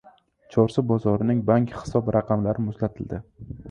«Chorsu» bozorining bank hisob raqamlari muzlatildi